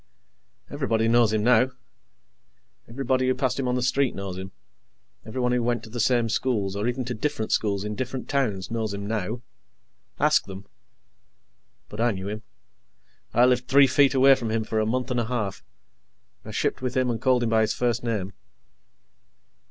Everybody knows him now. Everybody who passed him on the street knows him. Everybody who went to the same schools, or even to different schools in different towns, knows him now. Ask them. But I knew him. I lived three feet away from him for a month and a half. I shipped with him and called him by his first name.